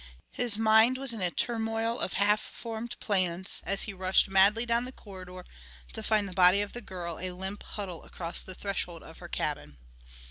His mind was in a turmoil of half formed plans as he rushed madly down the corridor to find the body of the girl a limp huddle across the threshold of her cabin.